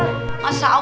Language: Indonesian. orang tua santri